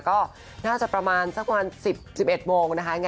ก็น่าจะประมาณสัก๑๐๑๑โมง